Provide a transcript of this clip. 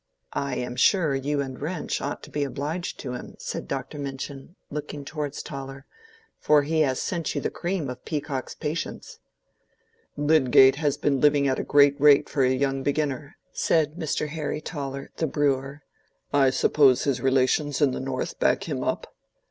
"I am sure you and Wrench ought to be obliged to him," said Dr. Minchin, looking towards Toller, "for he has sent you the cream of Peacock's patients." "Lydgate has been living at a great rate for a young beginner," said Mr. Harry Toller, the brewer. "I suppose his relations in the North back him up."